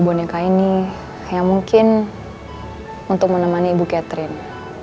boneka ini yang mungkin untuk menemani ibu catherine